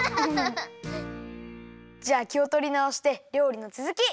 じゃあきをとりなおしてりょうりのつづき！